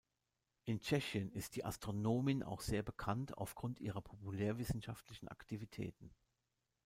In Tschechien ist die Astronomin auch sehr bekannt auf Grund ihrer populärwissenschaftlichen Aktivitäten.